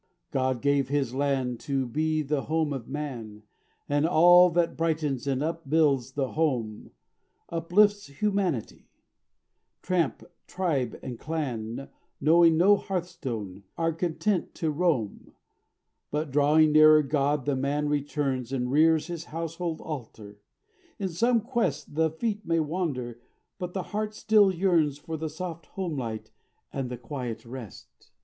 "God gave His land to be the home of man; And all that brightens and upbuilds the home Uplifts humanity; tramp, tribe and clan, Knowing no hearthstone, are content to roam, "But drawing nearer God the man returns And rears his household altar. In some quest The feet may wander, but the heart still yearns For the soft home light and the quiet rest.